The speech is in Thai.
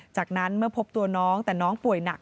จากนั้นเมื่อพบตัวน้องแต่น้องป่วยหนัก